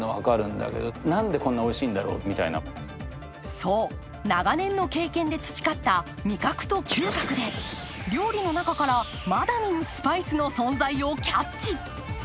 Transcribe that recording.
そう、長年の経験で培った味覚と嗅覚で料理の中から、まだ見ぬスパイスの存在をキャッチ。